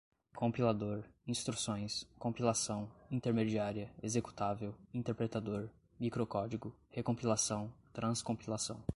Compilador, instruções, compilação, intermediária, executável, interpretador, microcódigo, recompilação, transcompilação